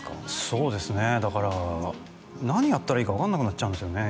そうですねだから何やったらいいか分かんなくなっちゃうんですよね